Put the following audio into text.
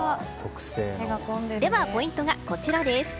ポイントはこちらです。